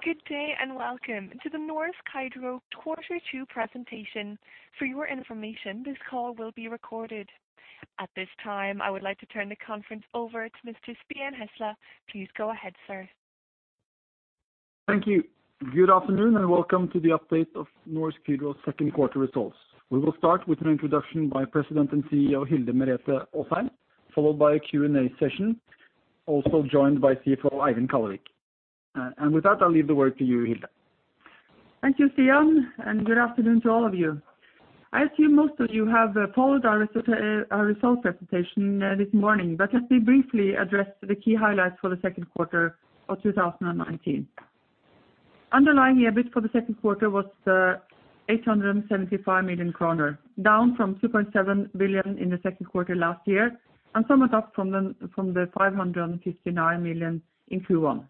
Good day, welcome to the Norsk Hydro Quarter Two presentation. For your information, this call will be recorded. At this time, I would like to turn the conference over to Mr. Stian Hasle. Please go ahead, sir. Thank you. Good afternoon and welcome to the update of Norsk Hydro's second quarter results. We will start with an introduction by President and CEO Hilde Merete Aasheim, followed by a Q&A session, also joined by CFO Eivind Kallevik. With that, I'll leave the word to you, Hilde. Thank you, Stian, and good afternoon to all of you. I assume most of you have followed our results presentation this morning, but let me briefly address the key highlights for the second quarter of 2019. Underlying EBIT for the second quarter was 875 million kroner, down from 2.7 billion in the second quarter last year, and somewhat up from the 559 million in Q1.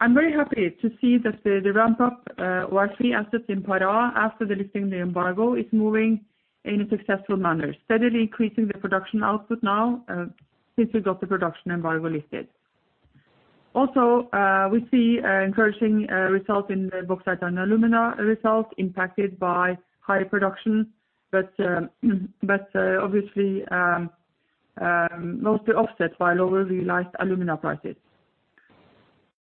I'm very happy to see that the ramp-up of our three assets in Pará after the lifting of the embargo is moving in a successful manner, steadily increasing the production output now, since we got the production embargo lifted. Also, we see encouraging results in the bauxite and alumina results impacted by higher production, but obviously mostly offset by lower realized alumina prices.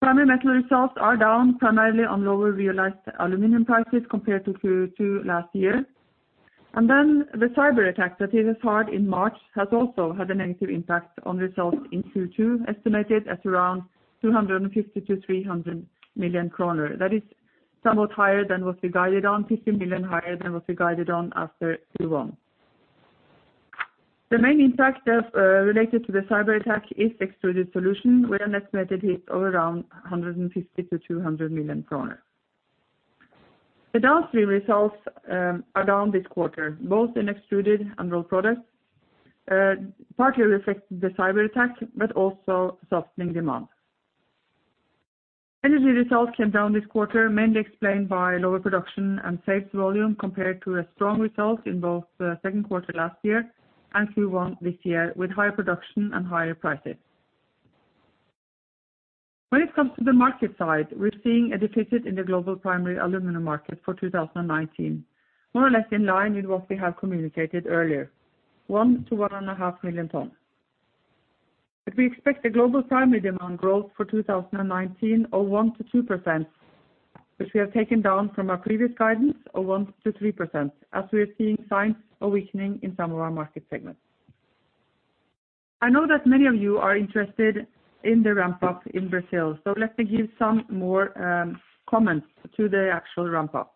Primary metal results are down primarily on lower realized aluminum prices compared to Q2 last year. The cyberattack that we suffered in March has also had a negative impact on results in Q2, estimated at around 250 million-300 million kroner. That is somewhat higher than what we guided on, 50 million higher than what we guided on after Q1. The main impact related to the cyberattack is Extruded Solutions with an estimated hit of around 150 million-200 million kroner. The downstream results are down this quarter, both in extruded and rolled products, partly affected the cyberattack but also softening demand. Energy results came down this quarter, mainly explained by lower production and sales volume compared to a strong result in both the second quarter last year and Q1 this year with higher production and higher prices. When it comes to the market side, we're seeing a deficit in the global primary aluminum market for 2019, more or less in line with what we have communicated earlier, 1-1.5 million tons. We expect a global primary demand growth for 2019 of 1%-2%, which we have taken down from our previous guidance of 1%-3%, as we are seeing signs of weakening in some of our market segments. I know that many of you are interested in the ramp-up in Brazil, let me give some more comments to the actual ramp-up.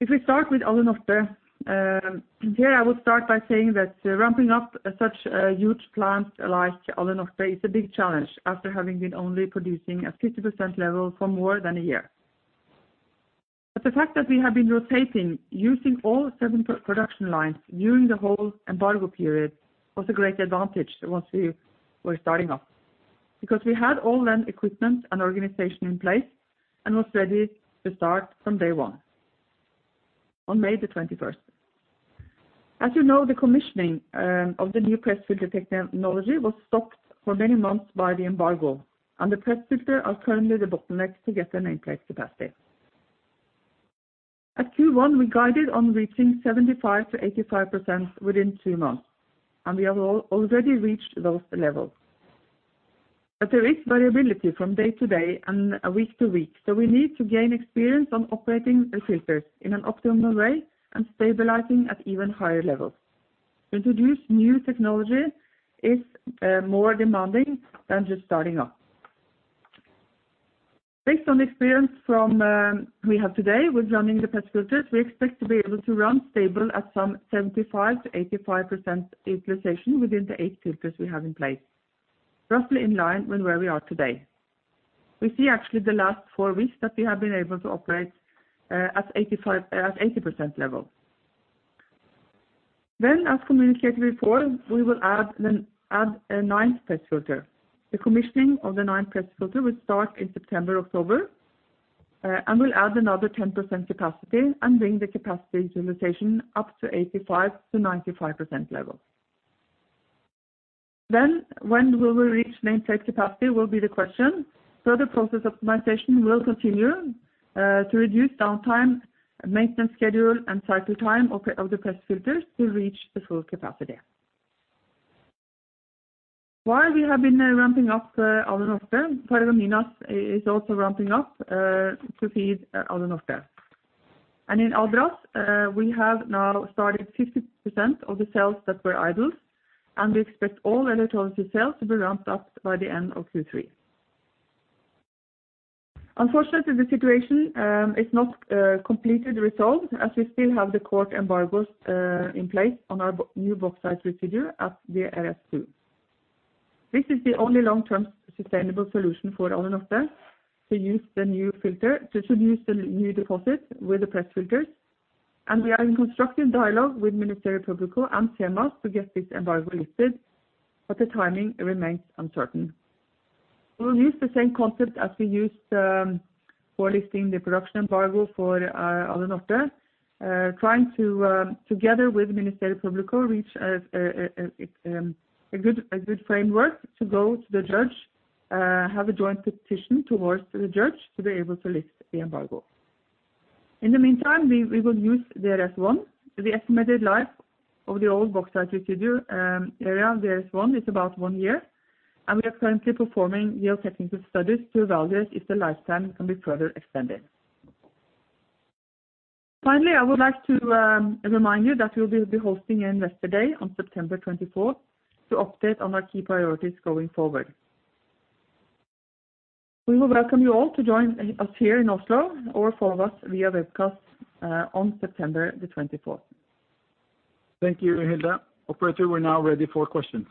If we start with Alunorte, here I would start by saying that ramping up such a huge plant like Alunorte is a big challenge after having been only producing at 50% level for more than a year. The fact that we have been rotating using all seven production lines during the whole embargo period was a great advantage once we were starting up, because we had all the equipment and organization in place and was ready to start from day 1 on May the 21st. As you know, the commissioning of the new press filter technology was stopped for many months by the embargo, and the press filter are currently the bottleneck to get the nameplate capacity. At Q1, we guided on reaching 75%-85% within two months, and we have already reached those levels. There is variability from day to day and week to week, so we need to gain experience on operating the filters in an optimal way and stabilizing at even higher levels. To introduce new technology is more demanding than just starting up. Based on the experience we have today with running the press filters, we expect to be able to run stable at some 75%-85% utilization within the eight filters we have in place, roughly in line with where we are today. We see actually the last four weeks that we have been able to operate at 80% level. As communicated before, we will add a ninth press filter. The commissioning of the ninth press filter will start in September, October, and will add another 10% capacity and bring the capacity utilization up to 85%-95% level. When we will reach nameplate capacity will be the question. Further process optimization will continue to reduce downtime, maintenance schedule, and cycle time of the press filters to reach the full capacity. While we have been ramping up Alunorte, Paragominas is also ramping up to feed Alunorte. In Albras, we have now started 50% of the cells that were idle, and we expect all electrolysis cells to be ramped up by the end of Q3. Unfortunately, the situation is not completely resolved as we still have the court embargoes in place on our new bauxite residue at the DRS2. This is the only long-term sustainable solution for Alunorte to use the new deposit with the press filters. We are in constructive dialogue with Ministério Público and SEMAS to get this embargo lifted, but the timing remains uncertain. We will use the same concept as we used for lifting the production embargo for Alunorte, trying to together with Ministério Público, reach a good framework to go to the judge, have a joint petition towards the judge to be able to lift the embargo. In the meantime, we will use DRS1, the estimated life of the old bauxite residue area, DRS1, is about one year, and we are currently performing geotechnical studies to evaluate if the lifetime can be further extended. Finally, I would like to remind you that we will be hosting an investor day on September 24th to update on our key priorities going forward. We will welcome you all to join us here in Oslo or follow us via webcast on September the 24th. Thank you, Hilde. Operator, we are now ready for questions.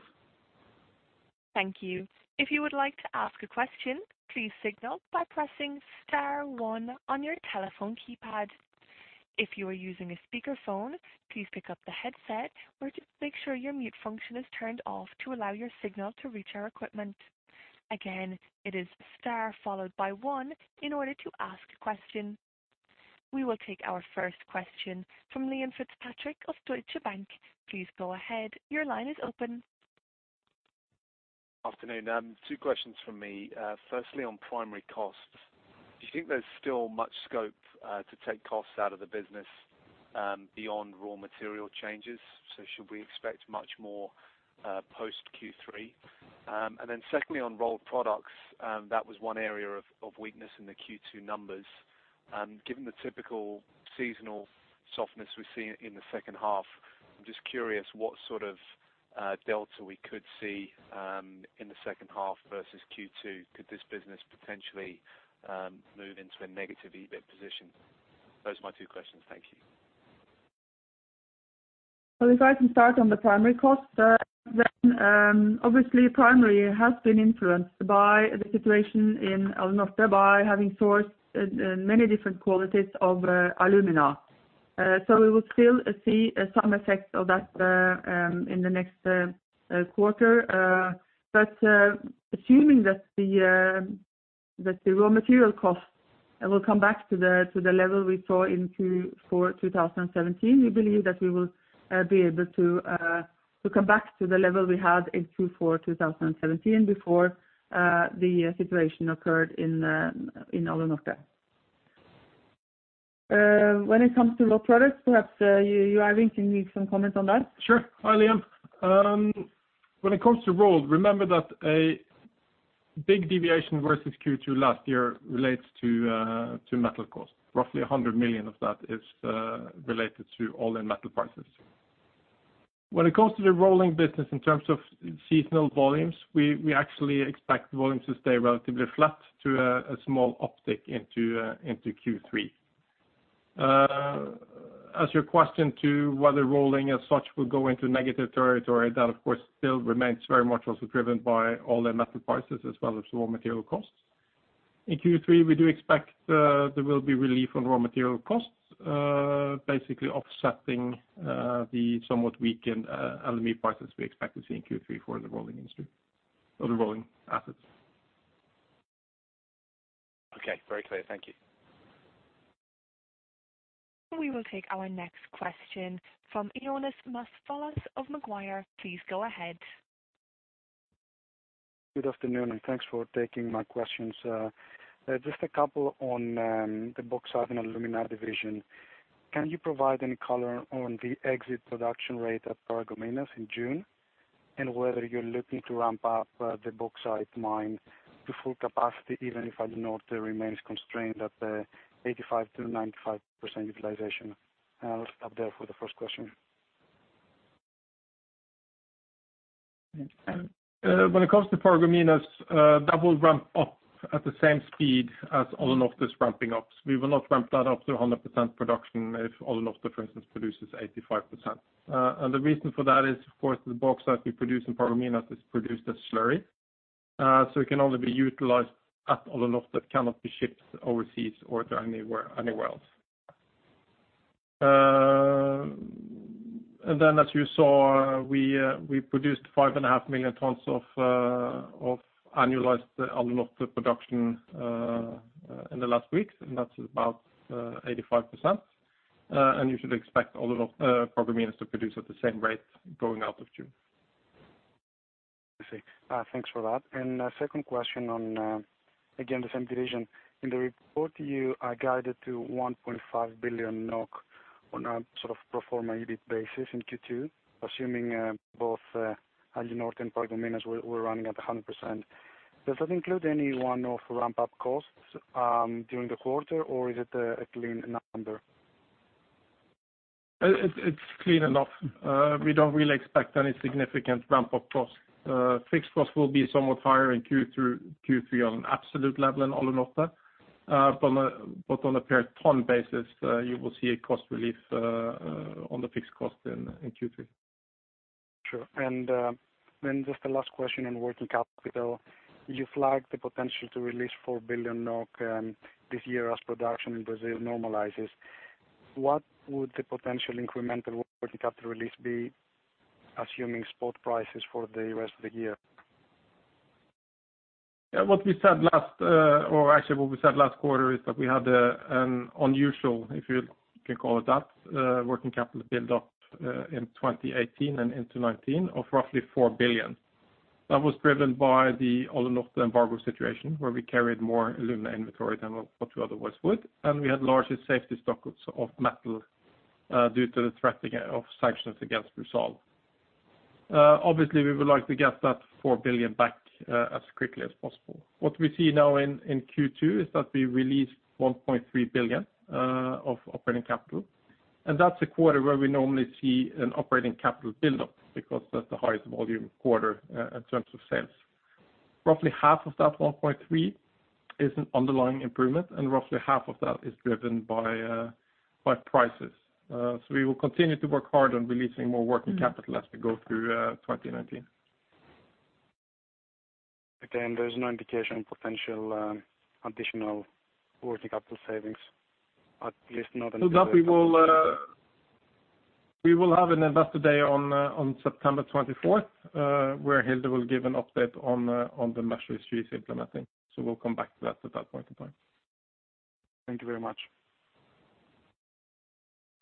Thank you. If you would like to ask a question, please signal by pressing star one on your telephone keypad. If you are using a speakerphone, please pick up the headset or just make sure your mute function is turned off to allow your signal to reach our equipment. Again, it is star followed by one in order to ask a question. We will take our first question from Liam Fitzpatrick of Deutsche Bank. Please go ahead. Your line is open. Afternoon. Two questions from me. Firstly, on primary costs, do you think there's still much scope to take costs out of the business, beyond raw material changes? Should we expect much more, post Q3? Secondly, on Rolled Products, that was one area of weakness in the Q2 numbers. Given the typical seasonal softness we see in the second half, I'm just curious what sort of delta we could see in the second half versus Q2. Could this business potentially move into a negative EBIT position? Those are my two questions. Thank you. If I can start on the primary cost, obviously primary has been influenced by the situation in Alunorte by having sourced many different qualities of alumina. We will still see some effects of that in the next quarter. Assuming that the raw material cost will come back to the level we saw in Q4 2017, we believe that we will be able to come back to the level we had in Q4 2017 before the situation occurred in Alunorte. When it comes to Rolled Products, perhaps Eivind can give some comments on that. Sure. Hi, Liam. When it comes to rolled, remember that a big deviation versus Q2 last year relates to metal cost. Roughly 100 million of that is related to all-in metal prices. When it comes to the rolling business in terms of seasonal volumes, we actually expect volumes to stay relatively flat to a small uptick into Q3. As your question to whether rolling as such will go into negative territory, that of course still remains very much also driven by all-in metal prices as well as raw material costs. In Q3, we do expect there will be relief on raw material costs, basically offsetting the somewhat weakened LME prices we expect to see in Q3 for the rolling industry or the rolling assets. Okay, very clear. Thank you. We will take our next question from Ioannis Masvoulas of Macquarie. Please go ahead. Good afternoon, and thanks for taking my questions. Just a couple on the bauxite and alumina division. Can you provide any color on the exit production rate at Paragominas in June? Whether you're looking to ramp up the bauxite mine to full capacity, even if Alunorte remains constrained at 85%-95% utilization? I'll stop there for the first question. When it comes to Paragominas, that will ramp up at the same speed as Alunorte is ramping up. We will not ramp that up to 100% production if Alunorte, for instance, produces 85%. The reason for that is, of course, the bauxite we produce in Paragominas is produced as slurry. It can only be utilized at Alunorte, it cannot be shipped overseas or to anywhere else. As you saw, we produced 5.5 million tons of annualized Alunorte production in the last weeks, and that's about 85%. You should expect Paragominas to produce at the same rate going out of June. I see. Thanks for that. A second question on, again, the same division. In the report, you are guided to 1.5 billion NOK on a sort of pro forma EBIT basis in Q2, assuming both Alunorte and Paragominas were running at 100%. Does that include any one-off ramp-up costs during the quarter, or is it a clean number? It's clean enough. We don't really expect any significant ramp-up cost. Fixed cost will be somewhat higher in Q3 on an absolute level in Alunorte. On a per ton basis, you will see a cost relief on the fixed cost in Q3. Sure. Just a last question on working capital. You flagged the potential to release 4 billion NOK this year as production in Brazil normalizes. What would the potential incremental working capital release be? Assuming spot prices for the rest of the year. Yeah. What we said last quarter is that we had an unusual, if you can call it that, working capital build-up in 2018 and into 2019 of roughly 4 billion. That was driven by the Alunorte embargo situation, where we carried more alumina inventory than what we otherwise would, and we had larger safety stock of metal due to the threat of sanctions against Brazil. Obviously, we would like to get that 4 billion back as quickly as possible. What we see now in Q2 is that we released 1.3 billion of operating capital. That's a quarter where we normally see an operating capital build-up because that's the highest volume quarter in terms of sales. Roughly half of that 1.3 billion is an underlying improvement, roughly half of that is driven by prices. We will continue to work hard on releasing more working capital as we go through 2019. Again, there's no indication of potential additional working capital savings, at least not until. We will have an investor day on September 24th, where Hilde will give an update on the measures she is implementing. We'll come back to that at that point in time. Thank you very much.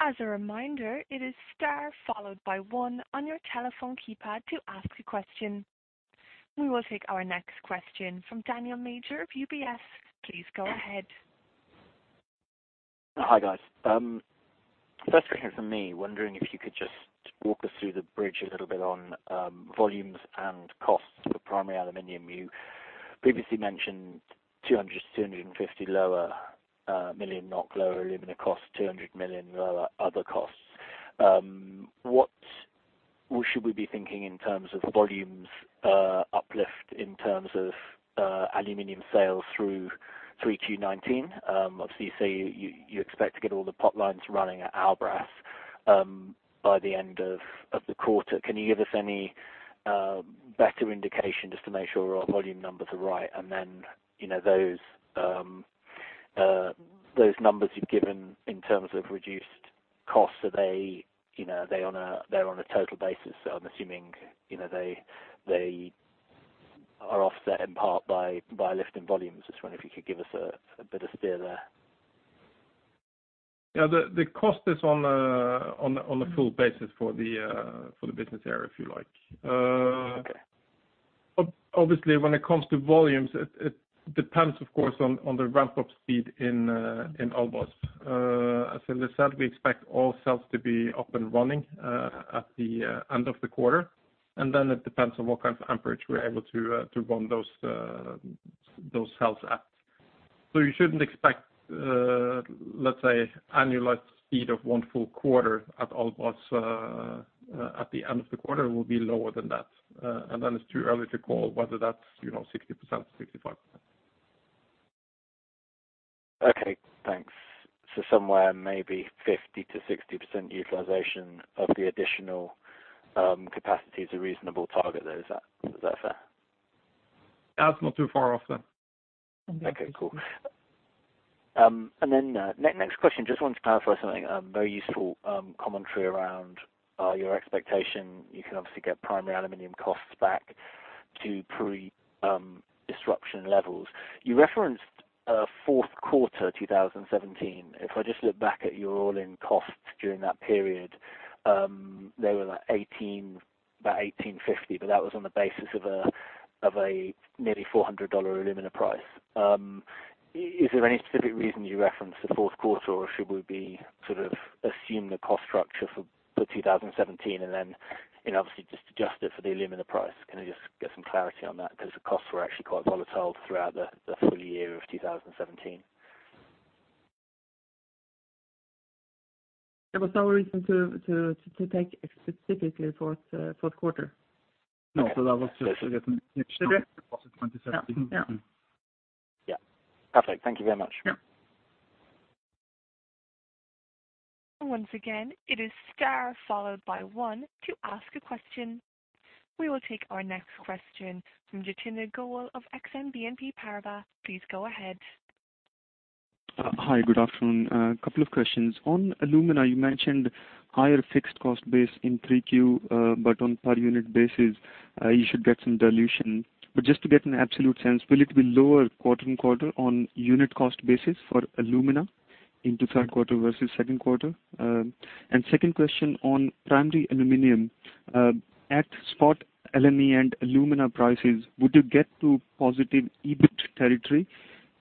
As a reminder, it is star followed by one on your telephone keypad to ask a question. We will take our next question from Daniel Major of UBS. Please go ahead. Hi, guys. First question from me, wondering if you could just walk us through the bridge a little bit on volumes and costs for primary aluminum. You previously mentioned 200 million-250 million NOK lower alumina cost, 200 million other costs. What should we be thinking in terms of volumes uplift in terms of aluminum sales through 3Q 2019? Obviously, you say you expect to get all the potlines running at Albras by the end of the quarter. Can you give us any better indication just to make sure our volume numbers are right? Those numbers you've given in terms of reduced costs, they're on a total basis. I'm assuming they are offset in part by a lift in volumes. Just wondering if you could give us a bit of steer there. Yeah. The cost is on a full basis for the business area, if you like. Okay. Obviously, when it comes to volumes, it depends, of course, on the ramp-up speed in Albras. As Hilde said, we expect all cells to be up and running at the end of the quarter, and then it depends on what kind of amperage we're able to run those cells at. You shouldn't expect, let's say, annualized speed of one full quarter at Albras at the end of the quarter will be lower than that. It's too early to call whether that's 60%, 65%. Okay, thanks. Somewhere maybe 50%-60% utilization of the additional capacity is a reasonable target there. Is that fair? That's not too far off then. Okay, cool. Next question, just want to clarify something, very useful commentary around your expectation you can obviously get primary aluminum costs back to pre-disruption levels. You referenced fourth quarter 2017. I just look back at your all-in costs during that period, they were about $18.50, but that was on the basis of a nearly $400 alumina price. Is there any specific reason you referenced the fourth quarter, or should we assume the cost structure for 2017 and then obviously just adjust it for the alumina price? Can I just get some clarity on that? The costs were actually quite volatile throughout the full year of 2017. There was no reason to take specifically fourth quarter. No, because that was. No 2017. Yeah. Yeah. Perfect. Thank you very much. Yeah. Once again, it is star followed by one to ask a question. We will take our next question from Jatinder Goel of Exane BNP Paribas. Please go ahead. Hi, good afternoon. A couple of questions. On alumina, you mentioned higher fixed cost base in 3Q. On per unit basis, you should get some dilution. Just to get an absolute sense, will it be lower quarter-on-quarter on unit cost basis for alumina into third quarter versus second quarter? Second question on primary aluminum. At spot LME and alumina prices, would you get to positive EBIT territory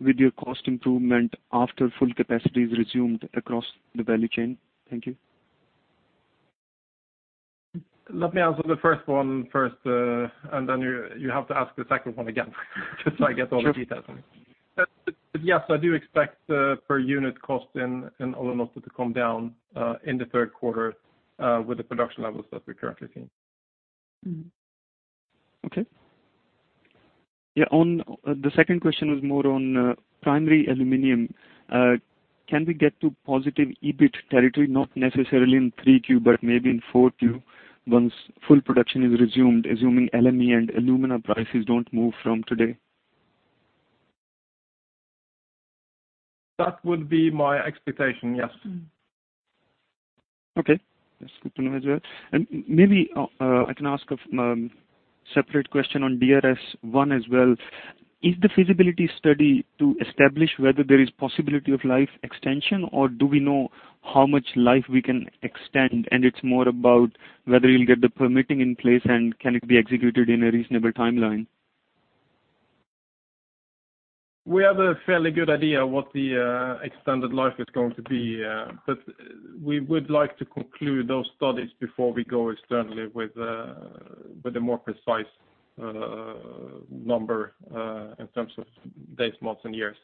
with your cost improvement after full capacity is resumed across the value chain? Thank you. Let me answer the first one first, and then you have to ask the second one again just so I get all the details. Sure. Yes, I do expect per unit cost in Alunorte to come down in the third quarter with the production levels that we're currently seeing. Okay. Yeah. The second question was more on primary aluminum. Can we get to positive EBIT territory, not necessarily in 3Q, but maybe in 4Q once full production is resumed, assuming LME and alumina prices don't move from today? That would be my expectation, yes. Okay. That's good to know as well. Maybe I can ask a separate question on DRS1 as well. Is the feasibility study to establish whether there is possibility of life extension, or do we know how much life we can extend, and it's more about whether you'll get the permitting in place, and can it be executed in a reasonable timeline? We have a fairly good idea what the extended life is going to be. We would like to conclude those studies before we go externally with a more precise number in terms of days, months, and years.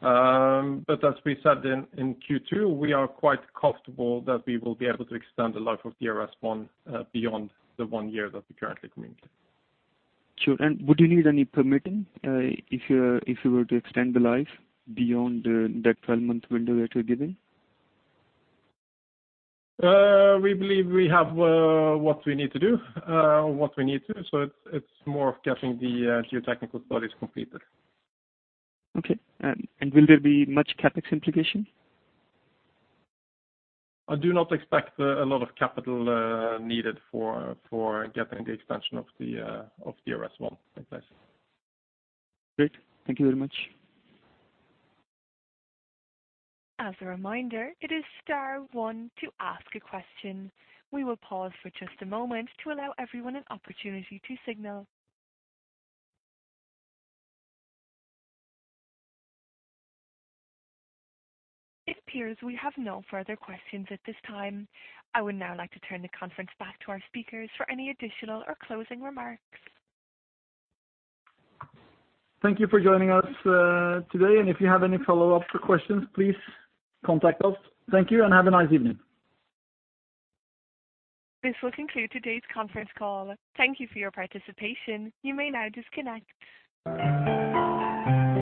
As we said in Q2, we are quite comfortable that we will be able to extend the life of DRS1 beyond the one year that we currently communicate. Sure. Would you need any permitting if you were to extend the life beyond that 12-month window that you're giving? We believe we have what we need to do or what we need to. It's more of getting the geotechnical studies completed. Okay. Will there be much CapEx implication? I do not expect a lot of capital needed for getting the expansion of DRS1 in place. Great. Thank you very much. As a reminder, it is star one to ask a question. We will pause for just a moment to allow everyone an opportunity to signal. It appears we have no further questions at this time. I would now like to turn the conference back to our speakers for any additional or closing remarks. Thank you for joining us today, and if you have any follow-up questions, please contact us. Thank you and have a nice evening. This will conclude today's conference call. Thank you for your participation. You may now disconnect.